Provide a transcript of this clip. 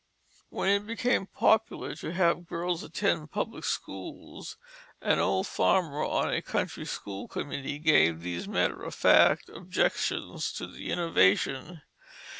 When it became popular to have girls attend public schools, an old farmer on a country school committee gave these matter of fact objections to the innovation.